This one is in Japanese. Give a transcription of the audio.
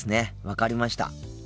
分かりました。